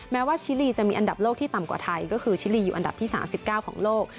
แม้ว่าชิลีจะมีอันดับโลกที่ต่ำกว่าไทยก็คือชิลีอยู่อันดับที่๓๙ของโลก